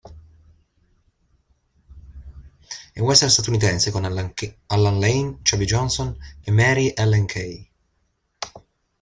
È un western statunitense con Allan Lane, Chubby Johnson e Mary Ellen Kay.